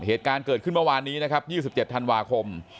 เหตุการณ์เกิดขึ้นเมื่อวานนี้นะครับ๒๗ธันวาคม